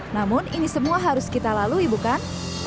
namun ini semua harus kita lalui bukan